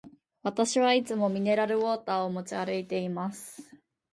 私はいつもミネラルウォーターを持ち歩いています。